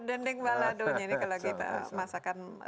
dendeng baladonya ini kalau kita masakan